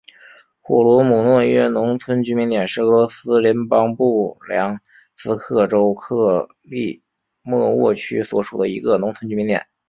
霍罗姆诺耶农村居民点是俄罗斯联邦布良斯克州克利莫沃区所属的一个农村居民点。